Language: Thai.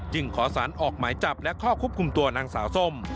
ขอสารออกหมายจับและข้อควบคุมตัวนางสาวส้ม